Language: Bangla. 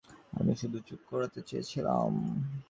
আমি শুধু চুপ করাতে চেয়েছিলাম।